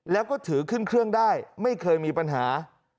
แล้วก็ถือขึ้นเครื่องได้ไม่เคยมีปัญหา